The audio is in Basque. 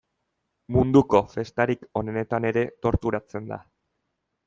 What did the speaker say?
Munduko festarik onenetan ere torturatzen da.